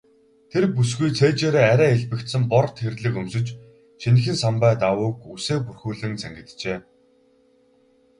Тэр бүсгүй цээжээрээ арай элбэгдсэн бор тэрлэг өмсөж, шинэхэн самбай даавууг үсээ бүрхүүлэн зангиджээ.